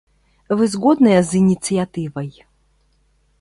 Вы згодныя з ініцыятывай?